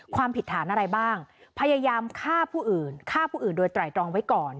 ความผิดฐานอะไรบ้างพยายามฆ่าผู้อื่นฆ่าผู้อื่นโดยไตรตรองไว้ก่อน